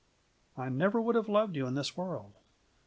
I never would have loved you in this world!